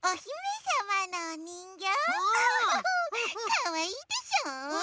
かわいいでしょう？